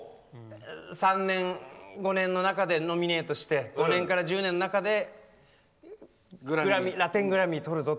３年、５年の中でノミネートして５年から１０年の中でラテングラミーとるぞと。